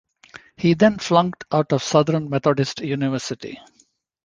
He then flunked out of Southern Methodist University.